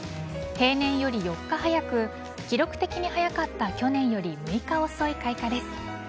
平年より４日早く記録的に早かった去年より６日遅い開花です。